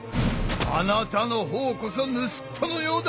あなたのほうこそぬすっとのようだ！